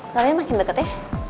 kalian makin deket ya